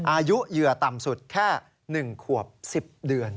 อายุเหยื่อต่ำสุดแค่๑ขวบ๑๐เดือน